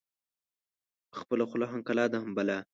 خپله خوله هم کلا ده هم بلا.